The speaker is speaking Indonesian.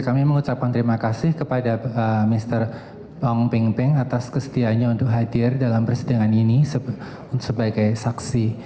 kami mengucapkan terima kasih kepada mr peng atas kesediaannya untuk hadir dalam persidangan ini sebagai saksi